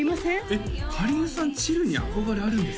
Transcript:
えっかりんさんチルに憧れあるんですか？